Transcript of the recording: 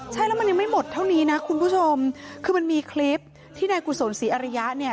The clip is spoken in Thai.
ใช่แล้วมันยังไม่หมดเท่านี้นะคุณผู้ชมคือมันมีคลิปที่นายกุศลศรีอริยะเนี่ย